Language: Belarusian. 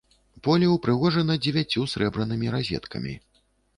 Поле ўпрыгожана дзевяццю сярэбранымі разеткамі.